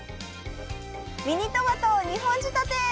ミニトマト２本仕立て。